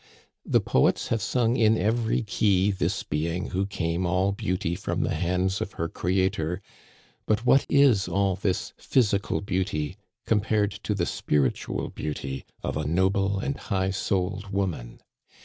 The poets have sung in every key this being who came all beauty from the hands of her Creator ; but what is all this physical beauty compared to the spiritual beauty of a noble and high souled woman?